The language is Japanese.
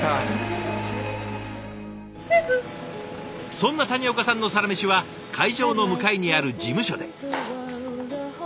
そんな谷岡さんのサラメシは会場の向かいにある事務所で。